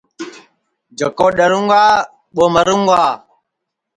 جکو ڈؔرُوں گا ٻو مرُوں گا